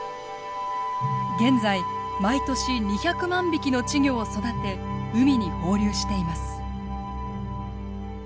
現在毎年２００万匹の稚魚を育て海に放流しています。